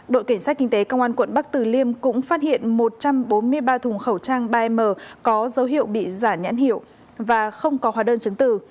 đội cảnh sát kinh tế công an quận bắc từ liêm cũng phát hiện một trăm bốn mươi ba thùng khẩu trang ba m có dấu hiệu bị giả nhãn hiệu và không có hóa đơn chứng từ